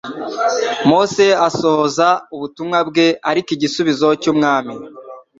Mose asohoza ubutumwa bwe; ariko igisubizo cy'umwami